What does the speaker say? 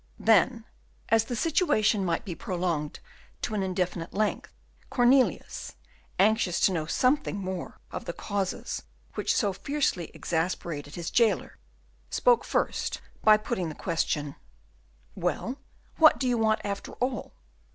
Then, as the situation might be prolonged to an indefinite length, Cornelius, anxious to know something more of the causes which had so fiercely exasperated his jailer, spoke first by putting the question, "Well, what do you want, after all?"